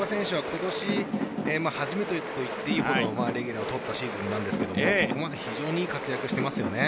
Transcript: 今年初めてといっていいほどレギュラーを取ったシーズンなんですがここまで非常に良い活躍をしていますね。